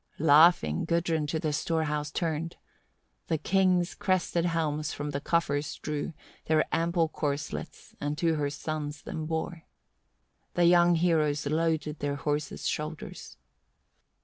7. Laughing Gudrun to the storehouse turned, the kings' crested helms from the coffers drew, their ample corslets, and to her sons them bore. The young heroes loaded their horses' shoulders.